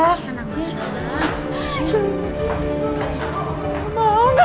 tenang mbak tenang mbak